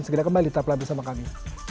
segera kembali tetap lagi bersama kami